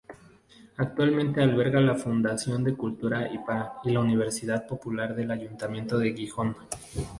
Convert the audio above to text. Actualmente alberga la Fundación de Cultura y la Universidad Popular del Ayuntamiento de Gijón.